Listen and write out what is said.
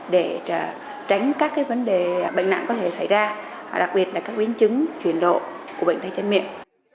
để tránh các vấn đề bệnh nặng có thể xảy ra đặc biệt là các biến chứng chuyển độ của bệnh tay chân miệng